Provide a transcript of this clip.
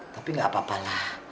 tapi gak apa apalah